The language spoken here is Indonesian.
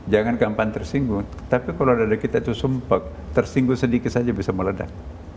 jangan gampang tersinggung tapi kalau dada kita itu sumpek tersinggung sedikit saja bisa meledak